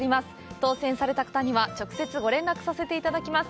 当せんされた方には、直接、ご連絡させていただきます。